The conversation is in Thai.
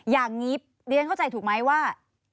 อย่างนี้เรียนเข้าใจถูกไหมว่า